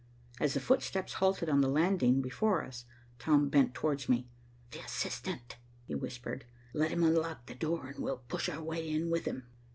As the footsteps halted on the landing before us, Tom bent towards me. "The assistant," he whispered, "let him unlock the door and we'll push our way in with him."